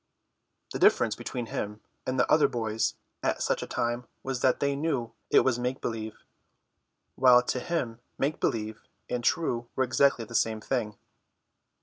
The difference between him and the other boys at such a time was that they knew it was make believe, while to him make believe and true were exactly the same thing.